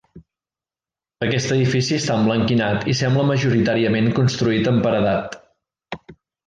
Aquest edifici està emblanquinat i sembla majoritàriament construït amb paredat.